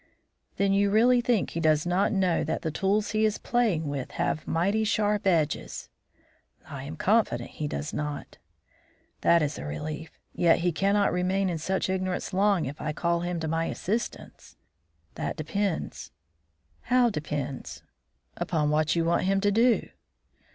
"Then you really think he does not know that the tools he is playing with have mighty sharp edges?" "I am confident he does not." "That is a relief; yet he cannot remain in such ignorance long if I call him to my assistance." "That depends." "How, depends?" "Upon what you want him to do."